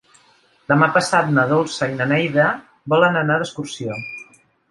Demà passat na Dolça i na Neida volen anar d'excursió.